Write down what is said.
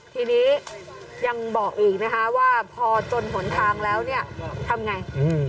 ทีนี้ยังบอกอีกนะฮะว่าพอจนผลทางแล้วนี่ทำอย่างไร